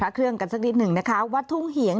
เครื่องกันสักนิดหนึ่งนะคะวัดทุ่งเหียง